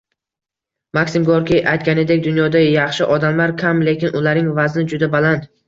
Maksim Gorkiy aytganidek, dunyoda yaxshi odamlar kam, lekin ularning vazni juda baland